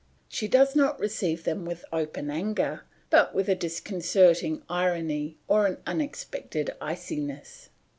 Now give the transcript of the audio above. She does not receive them with open anger, but with a disconcerting irony or an unexpected iciness.